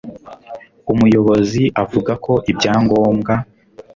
umuyobozi avuga ko ibyangombwa